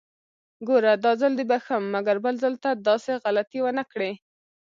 ګوره! داځل دې بښم، مګر بل ځل ته داسې غلطي ونکړې!